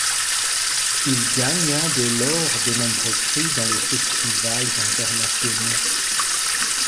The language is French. Il gagna dès lors de nombreux prix dans les festivals internationaux.